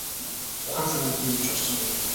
Ухаан санаанд нь юу ч орсонгүй.